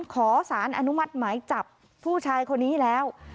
ขอสารอนุมัติหมายจับผู้ชายคนนี้แล้ว